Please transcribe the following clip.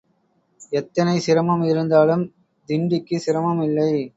எத்தனை சிரமம் இருந்தாலும் திண்டிக்குச் சிரமம் இல்லை.